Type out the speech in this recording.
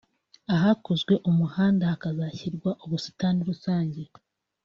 ahakozwe umuganda hakazashyirwa ubusitani rusange